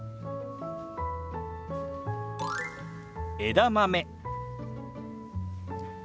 「枝豆」。